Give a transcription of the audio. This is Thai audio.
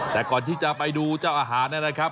แต่ก่อนที่จะไปดูเจ้าอาหารนะครับ